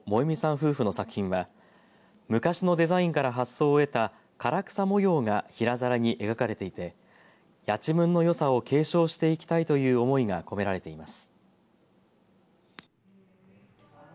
夫婦の作品は昔のデザインから発想を得た唐草模様が平皿に描かれていてやちむんのよさを継承していきたいという思いが込められています。